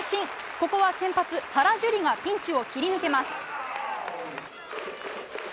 ここは先発、原樹理がピンチを切り抜けます。